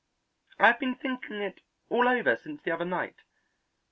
I have been thinking it all over since the other night.